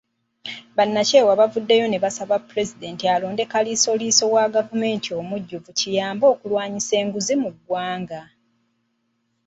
Bannakyewa bavuddeyo ne basaba Pulezidenti alonde kaliisoliiso wa gavumenti omujjuvu kiyambe okulwanyisa enguzi mu ggwanga.